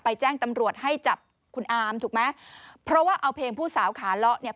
แจ้งตำรวจให้จับคุณอามถูกไหมเพราะว่าเอาเพลงผู้สาวขาเลาะเนี่ย